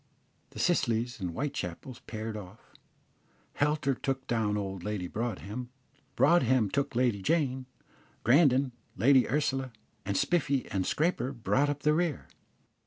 The Scillys and Whitechapels paired off; Helter took down old Lady Broadhem; Broadhem took Lady Jane; Grandon, Lady Ursula; and Spiffy and Scraper brought up the rear.